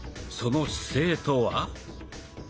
その姿勢とは？